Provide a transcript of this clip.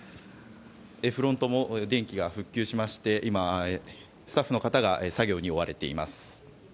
フロントも電気が復旧しまして今、スタッフの方が作業に追われています。